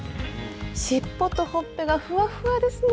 尻尾とほっぺがフワフワですね！